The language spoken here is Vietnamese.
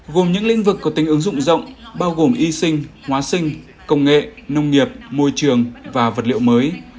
gồm những lĩnh vực có tính ứng dụng rộng bao gồm y sinh hóa sinh công nghệ nông nghiệp môi trường và vật liệu mới